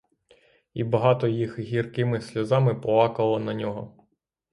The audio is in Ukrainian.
І багато їх гіркими сльозами плакало на нього.